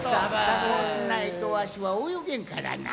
そうしないとわしはおよげんからな。